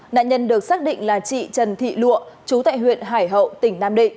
nạn nhân được xác định là chị trần thị lụa chú tại huyện hải hậu tỉnh nam định